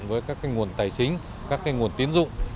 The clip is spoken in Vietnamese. với các nguồn tài chính các nguồn tín dụng